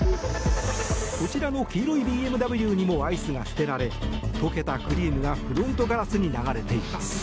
こちらの黄色いＢＭＷにもアイスが捨てられ溶けたクリームがフロントガラスに流れています。